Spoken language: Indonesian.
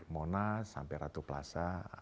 monas sampai ratu plaza